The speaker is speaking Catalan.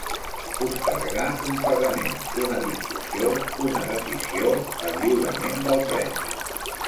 Postergar un pagament, una discussió, una decisió, el lliurament del premi.